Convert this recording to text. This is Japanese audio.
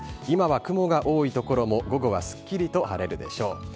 今は雲が多い所も、午後はすっきりと晴れるでしょう。